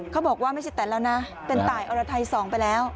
เขาบอกว่าไม่ใช่แตนแล้วนะเป็นตายอรไทยสองไปแล้ว